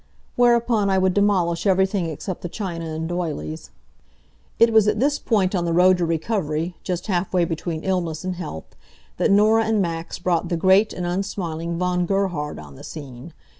Whereupon I would demolish everything except the china and doilies. It was at this point on the road to recovery, just halfway between illness and health, that Norah and Max brought the great and unsmiling Von Gerhard on the scene.